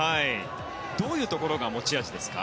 どういうところが持ち味ですか？